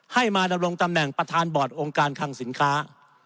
มาดำรงตำแหน่งประธานบอร์ดองค์การคังสินค้า